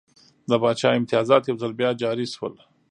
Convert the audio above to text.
د پاچا امتیازات یو ځل بیا جاري شول.